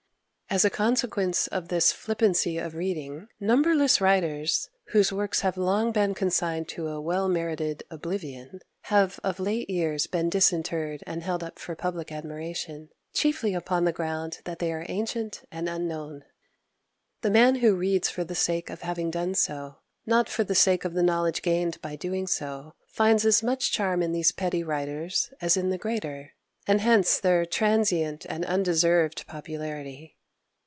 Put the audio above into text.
As a consequence of this flippancy of reading, numberless writers, whose works have long been consigned to a well merited oblivion, have of late years been disinterred and held up for public admiration, chiefly upon the ground that they are ancient and unknown. The man who reads for the sake of having done so, not for the sake of the knowledge gained by doing so, finds as much charm in these petty writers as in the greater, and hence their transient and undeserved popularity.